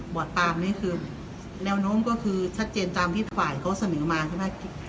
ตามนี้คือแนวโน้มก็คือชัดเจนตามที่ฝ่ายเขาเสนอมาใช่ไหม